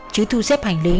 trứ thu xếp hành lý